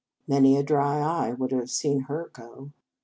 Many a dry eye would have seen her go.